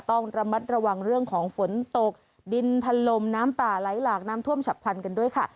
ต้องระมัดระวังเรื่องของฝนตกดินทันลมน้ำป่าไหลหลากน้ำท่วมฉับพลันกันด้วยค่ะ